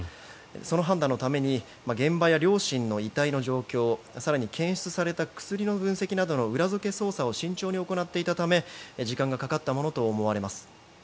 その判断のために現場や両親の遺体の状況更に検出された薬の分析などの裏付け捜査を慎重に行っていたため時間がかかったものと思われます。